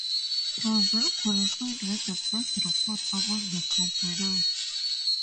Brazil qualified with the best record among the group winners.